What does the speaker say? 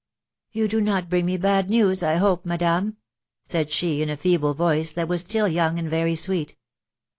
^^You do not bring me bad news, I hope, Madame said she, in a feeble voice, that was still young and very sweet.